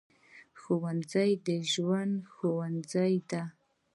ښوونځی د ژوند ښوونځی دی